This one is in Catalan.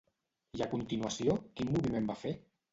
I a continuació quin moviment va fer?